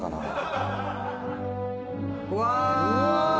うわ！